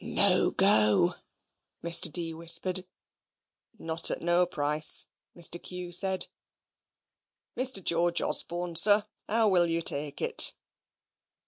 "No go," Mr. D. whispered. "Not at no price," Mr. Q. said. "Mr. George Osborne, sir, how will you take it?"